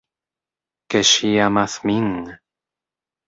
Ke ŝi amas min?